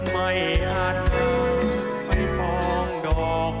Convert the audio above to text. ไม่อาจเธอไปพลองดอด